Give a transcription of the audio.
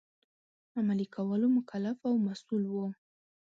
عملي کولو مکلف او مسوول وو.